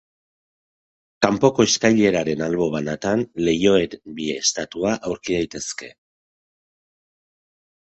Kanpoko eskaileraren albo banatan lehoien bi estatua aurki daitezke.